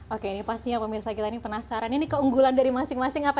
oke ini pastinya pemirsa kita ini penasaran ini keunggulan dari masing masing apa